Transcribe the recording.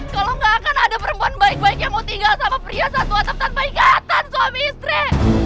kalau gak akan ada perempuan baik baik yang mau tinggal sama pria satu atap tanpa ikatan suami istri